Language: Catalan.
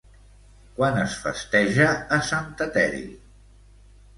Quan es festeja a Sant Eteri?